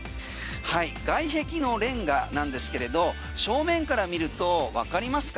外壁のレンガなんですけれど正面から見るとわかりますか。